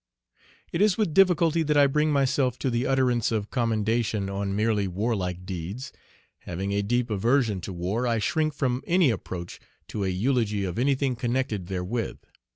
It is with difficulty that I bring myself to the utterance of commendation on merely warlike deeds. Having a deep aversion to war, I shrink from any approach to a eulogy of anything connected therewith.